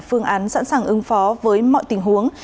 phương án sẵn sàng ứng phó với mọi tình huống